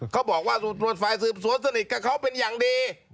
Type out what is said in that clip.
เขาบอกว่าฝ่ายสืบสวนสนิทกับเขาเป็นอย่างดี